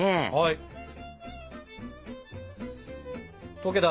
溶けた！